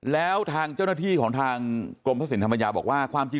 แล้วทางเจ้าหน้าที่ของทางกรมพระสินธรรมยาบอกว่าความจริง